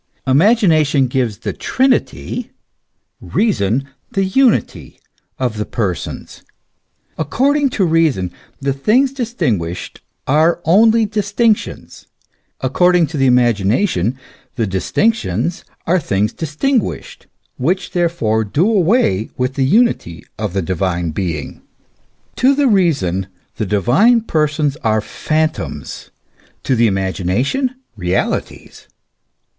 Imagina tion gives the Trinity, reason the Unity of the persons. Ac cording to reason, the things distinguished are only distinc tions ; according to imagination, the distinctions are things distinguished, which therefore do away with the unity of the divine being. To the reason, the divine persons are phantoms, to the imagination realities.